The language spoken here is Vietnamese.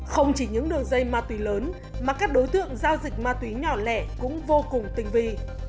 không chỉ những đường dây ma túy lớn mà các đối tượng giao dịch ma túy nhỏ lẻ cũng vô cùng tinh vi